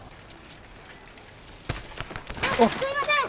あっすいません！